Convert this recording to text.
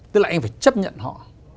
tức là em phải chấp nhận họ